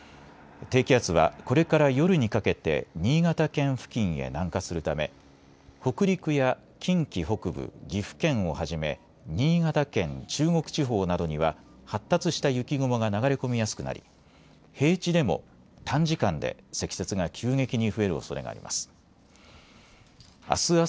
低気圧はこれから夜にかけて新潟県付近へ南下するため北陸や近畿北部、岐阜県をはじめ新潟県、中国地方などには発達した雪雲が流れ込みやすくなり平地でも短時間で積雪が急激に増えるおそれがあります。